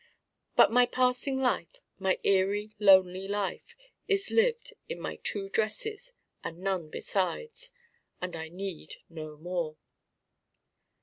But my passing life, my eerie lonely life, is lived in my Two Dresses and none besides, and I need no more.